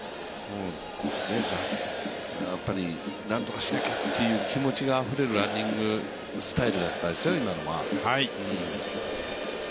やっぱりなんとかしなきゃっていう気持ちがあふれるランニングスタイルだったですよ、今のは。